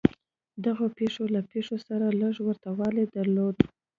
دغو پېښو له پېښو سره لږ ورته والی درلود.